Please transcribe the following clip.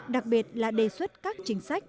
đặc biệt là đề xuất các chính sách